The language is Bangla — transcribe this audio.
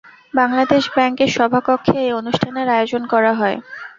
বাংলাদেশ ব্যাংকের সভাকক্ষে এই অনুষ্ঠানের আয়োজন করা হয়।